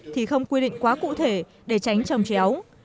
thì không quy định quá cụ thể để tránh trồng chéo